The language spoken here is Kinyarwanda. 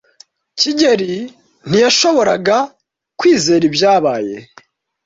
kigeli ntiyashoboraga kwizera ibyabaye.